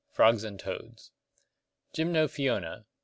Frogs and toads* Gymnophiona (Gr.